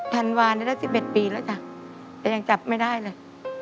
ธันวานี้ได้๑๑ปีแล้วจ้ะแต่ยังจับไม่ได้เลย